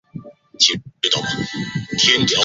一楼大厅左边墙上挂着蔡锷画像。